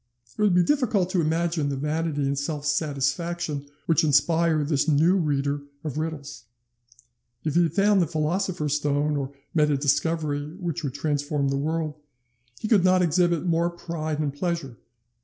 It would be difficult to imagine the vanity and self satisfaction which inspire this new reader of riddles. If he had found the philosopher's stone, or made a discovery which would transform the world, he could not exhibit more pride and pleasure.